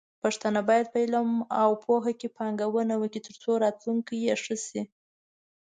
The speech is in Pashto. پښتانه بايد په علم او پوهه کې پانګونه وکړي، ترڅو راتلونکې يې ښه شي.